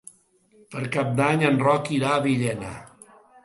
Per Cap d'Any en Roc irà a Villena.